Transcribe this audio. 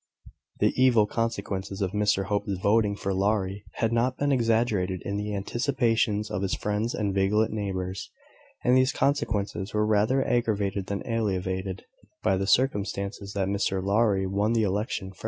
The evil consequences of Mr Hope's voting for Lowry had not been exaggerated in the anticipations of his friends and vigilant neighbours; and these consequences were rather aggravated than alleviated by the circumstance that Mr Lowry won the election.